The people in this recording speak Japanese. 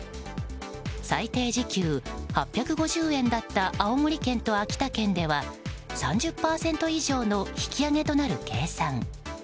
最低時給８５０円だった青森県と秋田県では３０％以上の引き上げとなる計算。